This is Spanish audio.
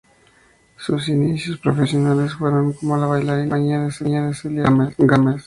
Sus inicios profesionales fueron como bailarina en la compañía de Celia Gámez.